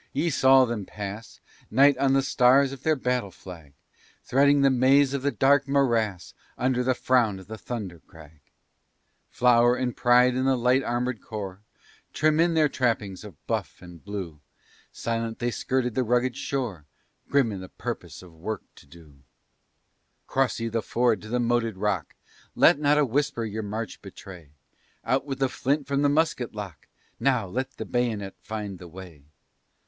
ye saw them pass, Night on the stars of their battle flag, Threading the maze of the dark morass Under the frown of the Thunder Crag; Flower and pride of the Light Armed Corps, Trim in their trappings of buff and blue, Silent, they skirted the rugged shore, Grim in the promise of work to do. "Cross ye the ford to the moated rock! Let not a whisper your march betray! Out with the flint from the musket lock! Now! let the bayonet find the way!"